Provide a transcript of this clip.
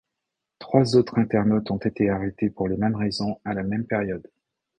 Trois autres internautes ont été arrêtés pour les mêmes raisons à la même période.